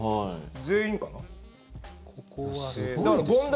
全員かな？